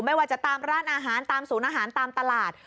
ไม่ว่าจะตามร้านอาหารตามศูนย์อาหารตามตลาด